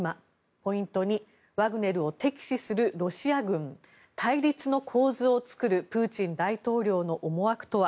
ポイント２ワグネルを敵視するロシア軍対立の構図を作るプーチン大統領の思惑とは。